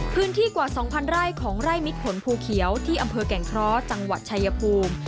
พื้นที่กว่า๒๐๐ไร่ของไร่มิดผลภูเขียวที่อำเภอแก่งเคราะห์จังหวัดชายภูมิ